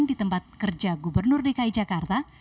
di tempat kerja gubernur dki jakarta